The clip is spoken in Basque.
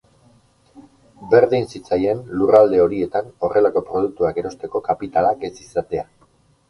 Berdin zitzaien lurralde horietan horrelako produktuak erosteko kapitalak ez izatea.